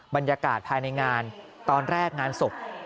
บรรยากาศภายในงานตอนแรกงานศพ